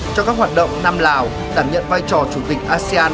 cho các hoạt động nam lào đảm nhận vai trò chủ tịch asean hai nghìn hai mươi bốn